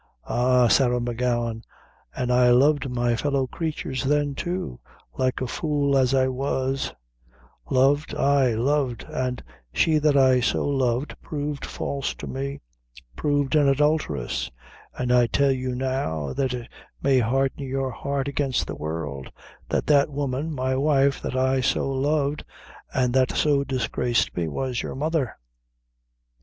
Ah, Sarah M'Gowan, an' I loved my fellow creatures then, too, like a fool as I was: loved, ay, loved; an' she that I so loved proved false to me proved an adulteress; an' I tell you now, that it may harden your heart against the world, that that woman my wife that I so loved, an' that so disgraced me, was your mother."